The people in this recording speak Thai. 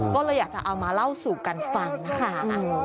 ก็เลยอยากจะเอามาเล่าสู่กันฟังนะคะ